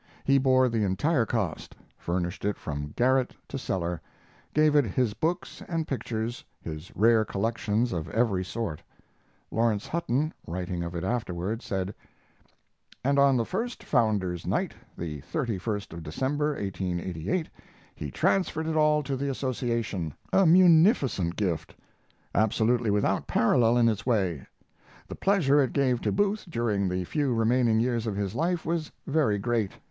He bore the entire cost, furnished it from garret to cellar, gave it his books and pictures, his rare collections of every sort. Laurence Hutton, writing of it afterward, said: And on the first Founder's Night, the 31st of December, 1888, he transferred it all to the association, a munificent gift; absolutely without parallel in its way. The pleasure it gave to Booth during the few remaining years of his life was very great.